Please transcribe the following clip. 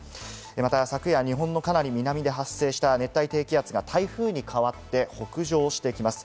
また昨夜、日本のかなり南で発生した熱帯低気圧が台風に変わって北上してきます。